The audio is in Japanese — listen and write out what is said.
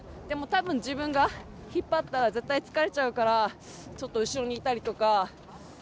でも多分、自分が引っ張ったら絶対疲れちゃうからちょっと後ろにいたりとか。